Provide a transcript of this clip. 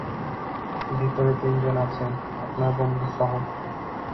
ভিতরে তিনজন আছে, আপনার বন্ধু সহ?